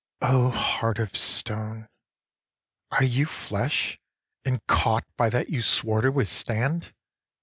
9. O heart of stone, are you flesh, and caught By that you swore to withstand?